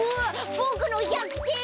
ボクの１００てん。